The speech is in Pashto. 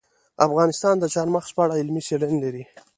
افغانستان د چار مغز په اړه علمي څېړنې لري.